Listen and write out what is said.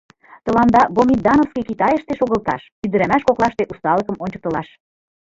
Тыланда гоминдановский Китайыште шогылташ, ӱдырамаш коклаште усталыкым ончыктылаш.